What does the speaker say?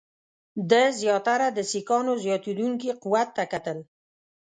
ده زیاتره د سیکهانو زیاتېدونکي قوت ته کتل.